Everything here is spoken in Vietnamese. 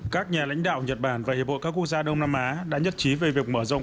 các nhà lãnh đạo nhật bản và hiệp bộ các quốc gia đông nam á đã nhất trí về việc mở rộng